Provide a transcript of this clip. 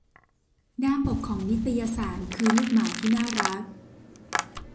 หน้าปกของนิตยสารคือลูกหมาที่น่ารัก